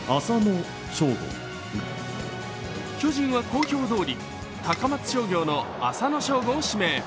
巨人は公表どおり高松商業の浅野翔吾を指名。